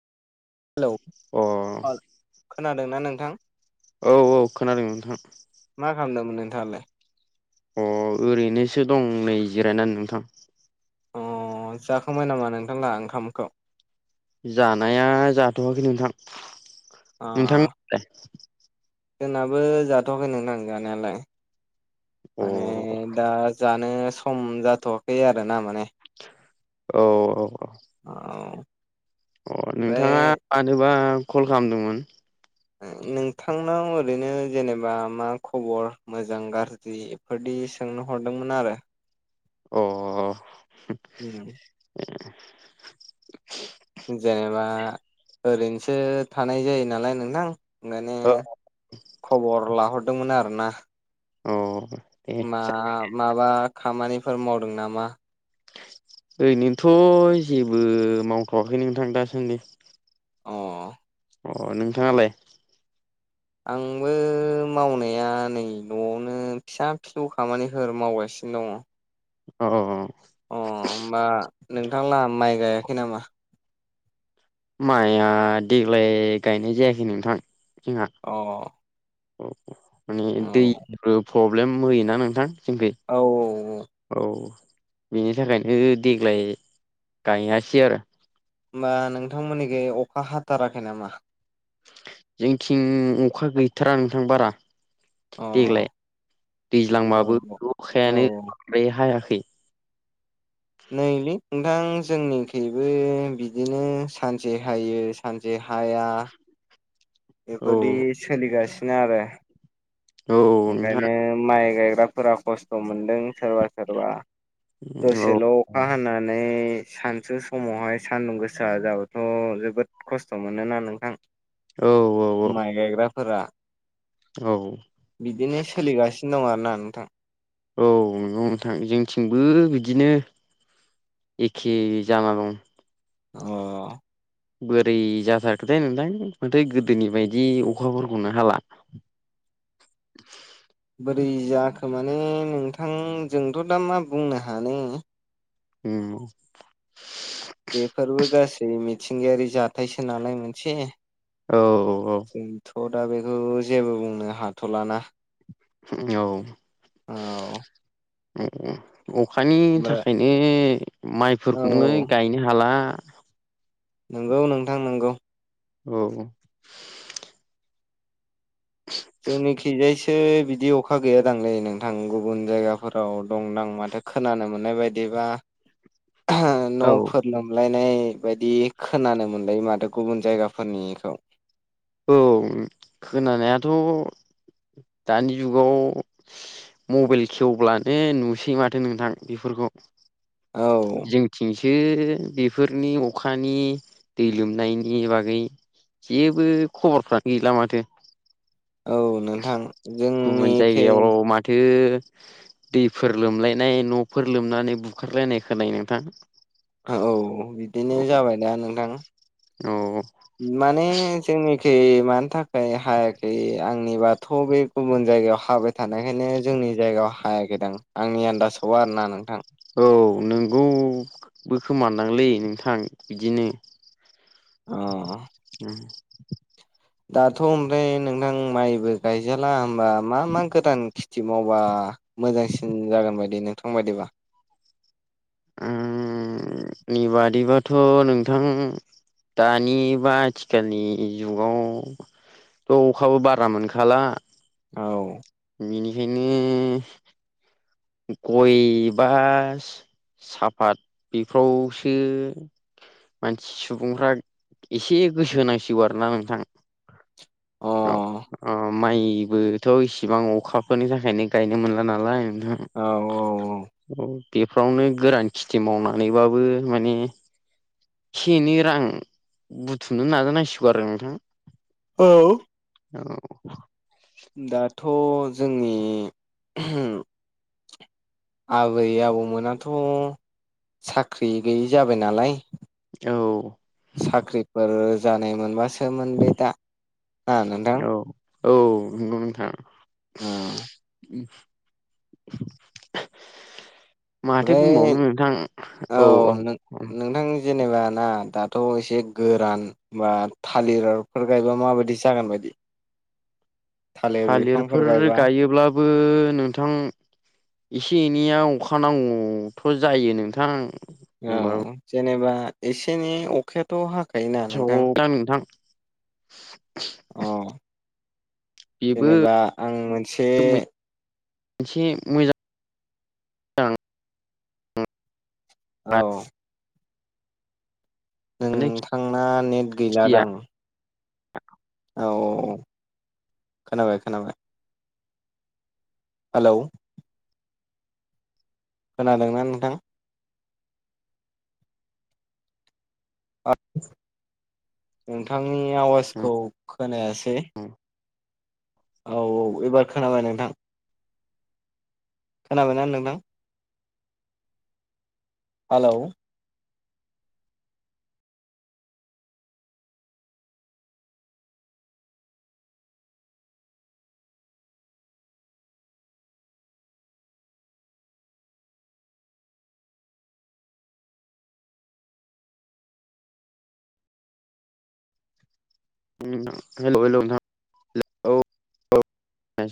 Hello अ औ खोनादोंना नोंथां? औ औ खोनादों नोंथां। मा खालामदोंमोन नोंथाङालाय? अ ओरैनोसो दं नै जिरायनानै नोंथां। अ जाखांबाय नामा नोंथांला ओंखामखौ? जानाया जाथ'वाखै नोंथां अ नोंथांमोनलाय? जोंनाबो जाथ'वाखै नों आं जानायालाय। अ माने दा जा नो सम जाथ'वाखै आरो ना माने। औ औ औ। अ अ नोंथाङा मानोबा कल खालामदोंमोन? नोंथांनाव ओरैनो जेनेबा मा खबर मोजां गाज्रि बेफोरदि सोंनो हरदोंमोन आरो। अ उ ए जेनेबा ओरैनोसो थानाय जायो नालाय नोंथां। ओंखाननो अ खबर लाहरदोंमोन आरोना। औ मा माबा खामानिफोर मावदों नामा ओरैनोथ' जेबो मावथ'वाखै नोंथां दासान्दि अ अ नोंथाङालाय आंबो मावनाया नै न'आवनो फिसा फिसौ खामानिफोर मावगासिनो दङ अ अ होमबा नोंथांला माइ गायाखै नामा माइआ देग्लाय गायनाय जायाखै नोंथां जोंहा। अ औ माने औ दै प्रब्लेम होयोना नोंथां जोंखै। औ औ बिनि थाखायनो देग्लाय गायासै आरो होमबा नोंथांमोननिखै अखा हाथाराखै नामा? जोंथिं अखा गैथारा नोंथां बारा। अ देग्लाय दैज्लांबाबो औ अखायानो औ बांद्राय हायाखै नैलै नोंथां जोंनिखैबो बिदिनो सानसे हायो सानसे हाया औ बेफोरदि सोलिगासिनो आरो औ नोंथां ओंखायनो माइ गायग्राफोरा खस्थ' मोनदों सोरबा सोरबा औ दसेल' अखा हानानै सानसु समावहाय सान्दुं गोसा जाबाथ' जोबोद खस्थ' मोनोना नोंथां औ औ माइ गाइग्राफोरा औ बिदिनो सोलिगासिनो दं आरोना नोंथां औ नंगौ नोंथां जोंथिंबो बिदिनो एखे जाना दं अ बोरै जाथारखोथाय नोंथां माथाय गोदोनि बायदि अखाफोरखौनो हाला बोरै जाखो माने नोंथां जोंथ' दा मा बुंनो हानो उम बेफोरबो गासै मिथिंगायारि जाथायसो नालाय मोनसे औ औ औ जोंथ' दा बेखौ जेबो बुंनो हाथ'लाना औ औ ओमफ्राय अखानि थाखायनो बे औ माइफोरखौनो गायनो हाला नंगौ नोंथां नोंगौ औ जोंनिखिजायसो बिदि अखा गैया दांलै नोंथां गुबुन जायगाफोराव दंदां माथो खोनानो मोननाय बायदिबा औ न'फोर लोमलायनाय बायदि खोनानो मोनलायो माथो गुबुन जायगाफोरनिखौ औ खोनानायाथ' दानि जुगाव मबाइल खेवब्लानो नुसै माथो नोंथां बेफोरखौ औ जोंथिंसो बेफोरनि अखानि दै लोमनायनि बागै जेबो खबरफानो गैला माथो औ नोंथां गुबुन जोंनिखै जायगायाव माथो दैफोर लोमलायनाय न'फोर लोमनानै बुखारलायनाय खोनायो नोंथां औ बिदिनो जाबाय दा नोंथां औ माने जोंनिखै मानि थाखाय हायाखै आंनिबाथ' बे गुबुन जायगायाव हाबाय थानायखायनो जोंनि जायगायाव हायाखैदां आंनि आन्दासाव आरो ना नोंथां औ नोंगौबो खोमान दांलै नोंथां बिदिनो अ उम दाथ' ओमफ्राय नोंथां माइबो गायजाला होमबा मा मा गोदान खिथ खेथि मावबा मोजांसिन जागोन बादि नोंथां बायदिबा नि बादिबाथ' नोंथां दानि बा आथिखालनि जुगाव थ' अखाबो बारा मोनखाला औ बेनिखायनो गय बा साफात बेफ्रावसो मानसि सुबुंफ्रा एसे गोसो होनांसिगौ आरोना नोंथां औ अ माइबोथ' इसिबां अखाफोरनि थाखायनो गायनो मोनला नालाय नोंथां औ औ बेफ्रावनो गोरान खिथि मावनानैबाबो माने एसे एनै रां बुथुमनो नाजानांसिगौ आरो नोंथां औ औ दाथ' जोंनि आबै आबौमोनाथ' साख्रि गैयि जाबाय नालाय औ साख्रिफोर जानाय मोनबासोमोन बे दा ना नोंथां औ औ नंगौ नोंथां। औ [unintelligible] माथो बुंबावनो ओमफ्राय नोंथां औ औ ओ नोंथां जेनेबा ना दाथ' एसे गोरान बा थालिरफोर गायबा माबायदि जागोन बायदि थालिर बिफांफोर थालिरफोर गायबा गायोब्लाबो नोंथां एसे एनैया अखा नांगौथ' जायो नोंथां औ होमबाबो ओ जेनेबा एसे एनै अखायाथ' हाखायोना नोंथां दा नोंथां अ बेबो जेनेबा आं मोनसे एसे मोजां औ ओ नोंथांना नेट खेथिया गैलादां औ औ औ खोनाबाय खोनाबाय। हेलौ खोनादोंना नोंथां? अ नोंथांनि आवाजखौ खोनायासै औ औ एबार खोनाबाय नोंथां। खोनाबायना नोंथां? हालौ [unintelligible] हेलौ हेलौ नोंथां औ